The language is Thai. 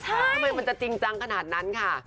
ทำไมมันจะจริงจังขนาดนั้นค่ะ